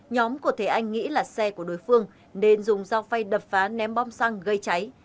nhóm của thế anh nghĩ là xe của đối phương nên dùng dao phay đập phá ném bom xăng gây cháy